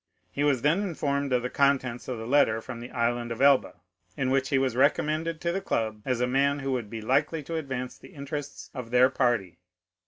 He was then informed of the contents of the letter from the Island of Elba, in which he was recommended to the club as a man who would be likely to advance the interests of their party.